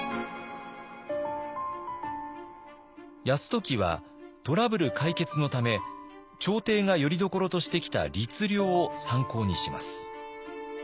泰時はトラブル解決のため朝廷がよりどころとしてきた「律令」を参考にします。